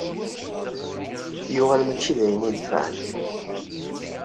Yuɣal mačči d ayen inefɛen.